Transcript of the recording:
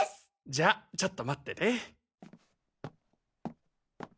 じゃあちょっと待ってて。